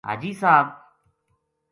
حاجی صاحب